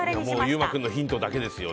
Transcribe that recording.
優馬君のヒントだけですよ。